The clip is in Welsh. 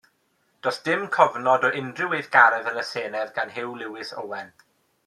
Does dim cofnod o unrhyw weithgaredd yn y Senedd gan Hugh Lewis Owen.